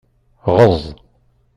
Ɣeẓẓ.